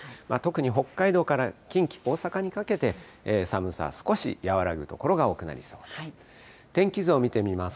特に北海道から近畿、大阪にかけて、寒さ少し和らぐ所が多くなりそうです。